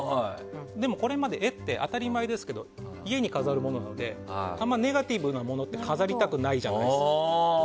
でもこれまで絵って家に飾るものなのであまりネガティブなものって飾りたくないじゃないですか。